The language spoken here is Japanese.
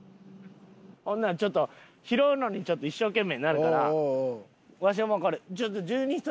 ほんならちょっと拾うのに一生懸命になるからわしはもうこれ。